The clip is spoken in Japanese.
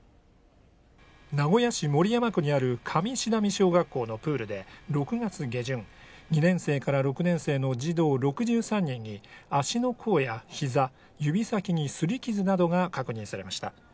名古屋市守山区にある上志段味小学校のプールで６月下旬２年生から６年生の児童６３人に足の甲や膝、指先にすり傷などが確認されました。